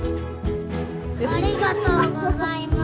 ありがとうございます。